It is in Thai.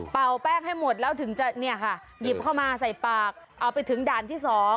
แป้งให้หมดแล้วถึงจะเนี่ยค่ะหยิบเข้ามาใส่ปากเอาไปถึงด่านที่๒